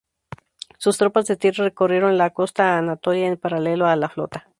Sus tropas de tierra recorrieron la costa anatolia en paralelo a la flota.